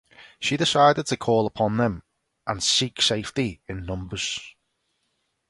She decided to call upon them and seek safety in numbers.